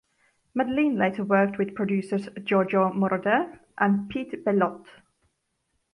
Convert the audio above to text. Madleen later worked with producers Giorgio Moroder and Pete Bellotte.